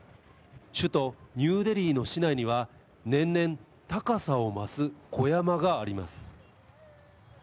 首都ニューデリーの市内には、年々高さを増す小山があります。